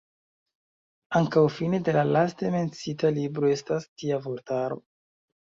Ankaŭ fine de la laste menciita libro estas tia vortaro.